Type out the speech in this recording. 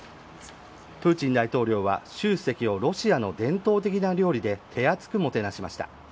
プーチン大統領は習主席をロシアの伝統的な料理で手厚くもてなしました。